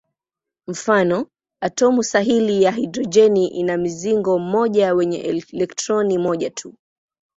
Mfano: atomu sahili ya hidrojeni ina mzingo mmoja wenye elektroni moja tu.